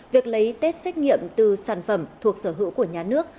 việc lấy test xét nghiệm từ sản phẩm thuộc sở hữu của nhà nước